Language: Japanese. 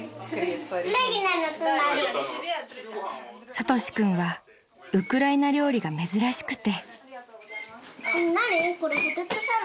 ［さとし君はウクライナ料理が珍しくて］